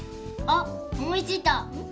あっおもいついた！